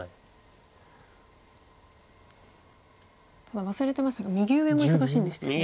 ただ忘れてましたが右上も忙しいんでしたよね。